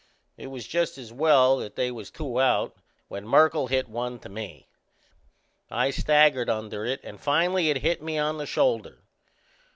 It was just as well that they was two out when Merkle hit one to me. I staggered under it and finally it hit me on the shoulder.